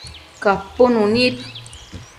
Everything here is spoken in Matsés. capunu nid